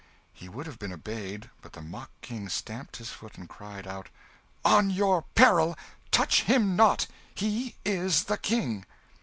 He would have been obeyed, but the mock King stamped his foot and cried out "On your peril! Touch him not, he is the King!"